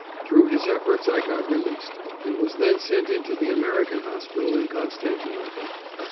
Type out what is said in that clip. Through his efforts I got released, and was then sent into the American Hospital in Constantinople.